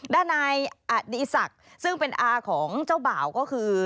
ด้านนายอดีศักดิ์ซึ่งเป็นอาของเจ้าบ่าวก็คือ